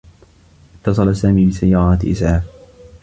اتّصل سامي بسيّارة إسعاف.